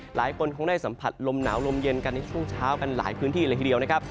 หลายคนคงได้สัมผัสลมหนาวลมเย็นกันในช่วงเช้ากันหลายพื้นที่เลยทีเดียวนะครับ